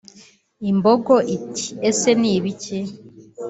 Imbogo iti “Ese ni ibiki